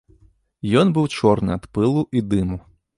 Ён быў чорны ад пылу і дыму.